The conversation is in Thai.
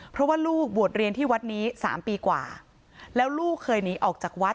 เพราะว่าลูกบวชเรียนที่วัดนี้๓ปีกว่าแล้วลูกเคยหนีออกจากวัด